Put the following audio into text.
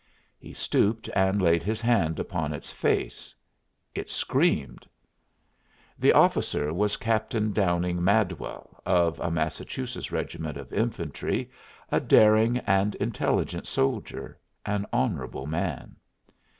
He stooped and laid his hand upon its face. It screamed. The officer was Captain Downing Madwell, of a Massachusetts regiment of infantry, a daring and intelligent soldier, an honorable man.